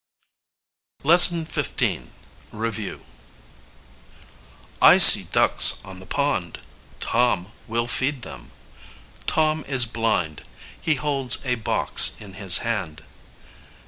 LESSON XV. REVIEW. I see ducks on the pond; Tom will feed them. Tom is blind; he holds a box in his hand.